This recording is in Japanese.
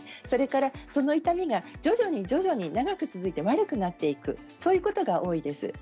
それからその痛みが徐々に徐々に長く続いて悪くなっていくそういうことが多いです。